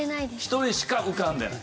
一人しか浮かんでない。